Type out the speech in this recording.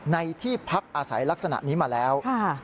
ในที่พักอาศัยลักษณะนี้มาแล้ว